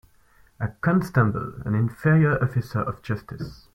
A constable an inferior officer of justice.